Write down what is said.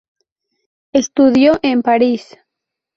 Estudió en París.